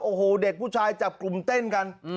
โอ้โหเด็กผู้ชายจับกลุ่มเต้นกัน